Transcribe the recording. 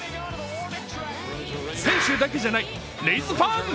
選手だけじゃないレイズファン！